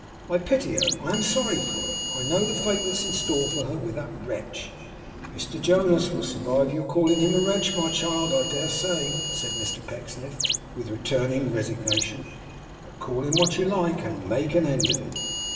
'I pity her. I'm sorry for her. I know the fate that's in store for her, with that Wretch.' 'Mr Jonas will survive your calling him a wretch, my child, I dare say,' said Mr Pecksniff, with returning resignation; 'but call him what you like and make an end of it.